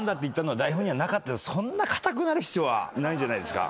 そんな硬くなる必要はないんじゃないですか。